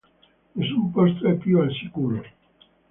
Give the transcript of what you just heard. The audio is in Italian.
Nessun posto è più al sicuro.